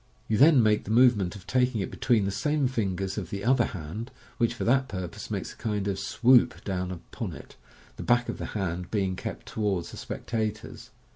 You then make the movement of taking it between the same fingers of the other hand, which for that purpose makes a kind of "swoop" down upon it, the back of the hand being kept towards the specta tors.